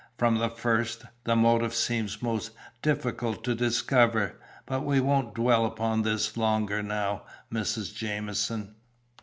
"From the first, the motive seemed most difficult to discover. But we won't dwell upon this longer now, Mrs. Jamieson."